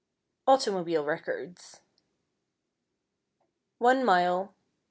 =Automobile Records=: 1 mile, 25.